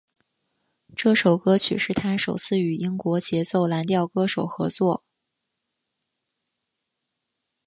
这首歌曲是他首次与英国节奏蓝调歌手合作。